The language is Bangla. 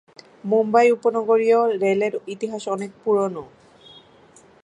মুম্বাই উপনগরীয় রেলের ইতিহাস অনেক পুরনো।